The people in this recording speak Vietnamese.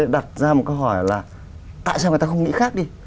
đặt ra một câu hỏi là tại sao người ta không nghĩ khác đi